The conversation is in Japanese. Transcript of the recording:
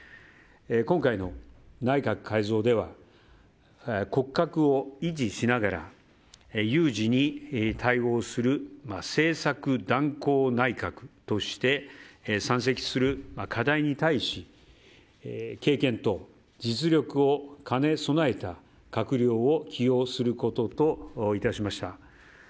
今回の内閣改造では骨格を維持しながら有事に対応する政策断行内閣として山積する課題に対し経験と実力を兼ね備えた閣僚を起用することといたしました。